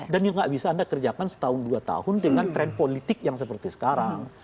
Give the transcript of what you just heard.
dan yang nggak bisa anda kerjakan setahun dua tahun dengan tren politik yang seperti sekarang